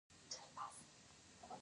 ایا د تحقیق په ورځو کې معاش ورکول کیږي؟